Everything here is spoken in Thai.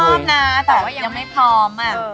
แต่ว่ายังไม่พร้อมอะ